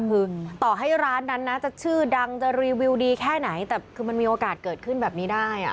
คือต่อให้ร้านนั้นนะจะชื่อดังจะรีวิวดีแค่ไหนแต่คือมันมีโอกาสเกิดขึ้นแบบนี้ได้อ่ะ